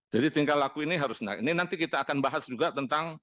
jadi tingkah laku ini harus ini nanti kita akan bahas juga tentang